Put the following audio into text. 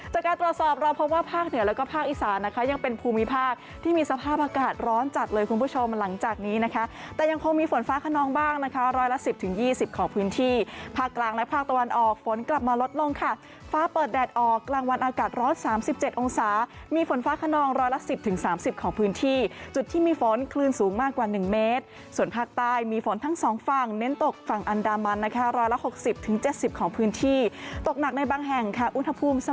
จากการตรวจสอบเราพบว่าภาคเหนือแล้วก็ภาคอีสานนะคะยังเป็นภูมิภาคที่มีสภาพอากาศร้อนจัดเลยคุณผู้ชมหลังจากนี้นะคะแต่ยังคงมีฝนฟ้าขนองบ้างนะคะรอยละ๑๐๒๐ของพื้นที่ภาคกลางและภาคตะวันออกฝนกลับมาลดลงค่ะฟ้าเปิดแดดออกกลางวันอากาศร้อน๓๗องศามีฝนฟ้าขนองรอยละ๑๐๓๐ของพื้นท